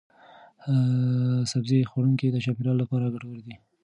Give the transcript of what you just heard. سبزي خوړونکي د چاپیریال لپاره ګټور دي.